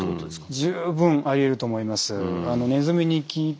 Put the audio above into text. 十分ありえると思います。